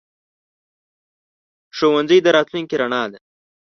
ښوونځی د راتلونکي رڼا ده.